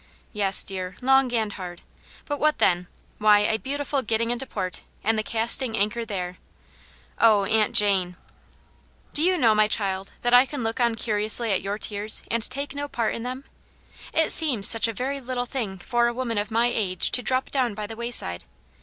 " Yes, dear ; long and hard. But what then ? Why, a beautiful getting into port, and the casting anchor there." " Oh, Aunt Jane 1 " Aufii pane's Hero, 237 "Do you know, my child, that I can look on curiously at your tears, and take no part in them ? It seems such a very little thing for a woman of my age to drop down by the wayside.